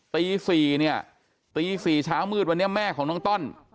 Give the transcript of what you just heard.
ตี๔เนี่ยตี๔เช้ามืดวันนี้แม่ของน้องต้อน